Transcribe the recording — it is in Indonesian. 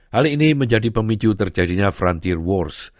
hal ini menjadi pemicu terjadinya franteer wars